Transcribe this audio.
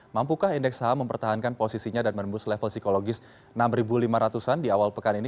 mampukah indeks saham mempertahankan posisinya dan menembus level psikologis enam lima ratus an di awal pekan ini